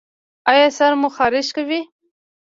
ایا سر مو خارښ کوي؟